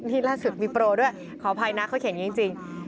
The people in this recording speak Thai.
ล่าสุดมีโปรด้วยขออภัยนะเขาเขียนอย่างนี้จริง